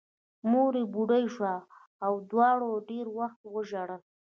مور یې بوډۍ شوې وه او دواړو ډېر وخت وژړل